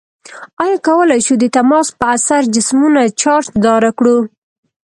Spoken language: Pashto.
آیا کولی شو د تماس په اثر جسمونه چارج داره کړو؟